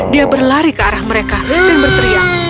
dia berlari ke arah mereka dan berteriak